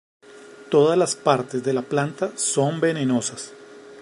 Todas las partes de la planta son venenosas.